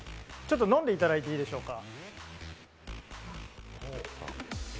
飲んでいただいていいでしょうか？